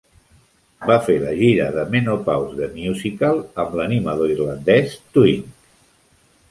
Va fer la gira de "Menopause the Musical" amb l'animador irlandès Twink.